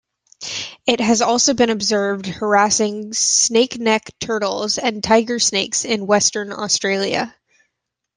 It has also been observed harassing snake-neck turtles and tiger snakes in Western Australia.